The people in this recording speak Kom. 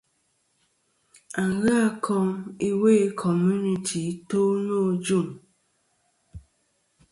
Aghɨ a kom iwo i komunity i to nô ajuŋ.